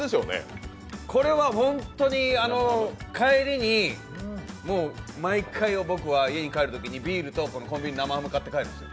これは毎回、僕は家に帰るときにビールとこのコンビニの生ハム買って帰るんですよ。